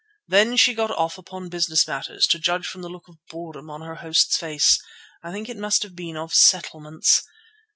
Then she got off upon business matters; to judge from the look of boredom on her host's face, I think it must have been of settlements.